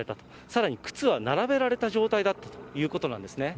さらに靴は並べられた状態だったということなんですね。